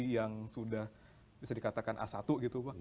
yang sudah bisa dikatakan a satu gitu bang